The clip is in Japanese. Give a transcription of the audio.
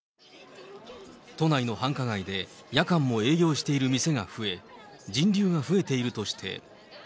都内の繁華街で夜間も営業している店が増え、人流が増えているとして。